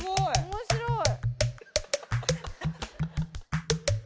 面白い！